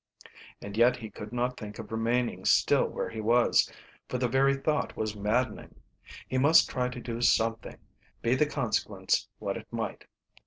And yet he could not think of remaining still where he was, for the very thought was maddening. He must try to do something, be the consequence what it might.